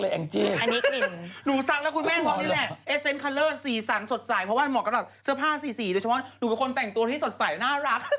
เพราะว่าเหมาะกับเสื้อผ้าสีสีโดยเฉพาะหนูเป็นคนแต่งตัวที่สดใสน่ารัก